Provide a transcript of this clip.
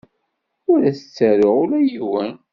Ur as-ttaruɣ ula i yiwen.